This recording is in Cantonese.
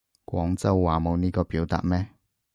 廣州話冇呢個表達咩